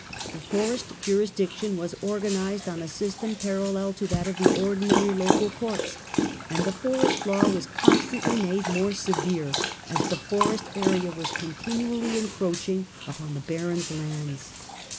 The forest jurisdiction was organized on a system parallel to that of the ordinary local courts, and the forest law was constantly made more severe, as the forest area was continually encroaching upon the barons' lands.